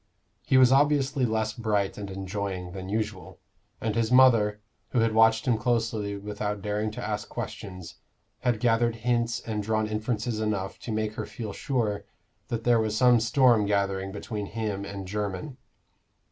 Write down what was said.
He was obviously less bright and enjoying than usual, and his mother, who watched him closely without daring to ask questions, had gathered hints and drawn inferences enough to make her feel sure that there was some storm gathering between him and Jermyn.